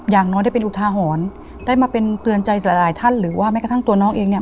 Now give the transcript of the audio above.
อย่างน้อยได้เป็นอุทาหรณ์ได้มาเป็นเตือนใจหลายหลายท่านหรือว่าแม้กระทั่งตัวน้องเองเนี่ย